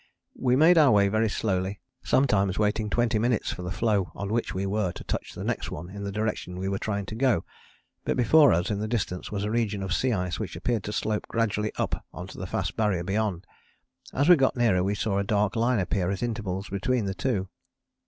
We made our way very slowly, sometimes waiting twenty minutes for the floe on which we were to touch the next one in the direction we were trying to go, but before us in the distance was a region of sea ice which appeared to slope gradually up on to the fast Barrier beyond. As we got nearer we saw a dark line appear at intervals between the two.